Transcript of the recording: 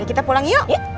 ya kita pulang yuk